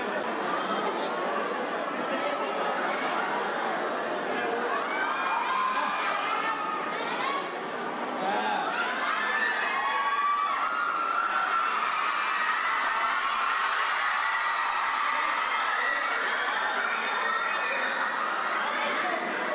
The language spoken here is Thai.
น้องน้องจะพูดหนึ่งนะครับร่างกายสูงรุ่นเสียงแรงนะครับ